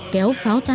kéo phát trận